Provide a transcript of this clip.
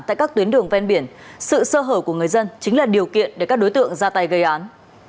tại các tuyến đường ven biển sự sơ hở của người dân chính là điều kiện để các đối tượng ra tay gây án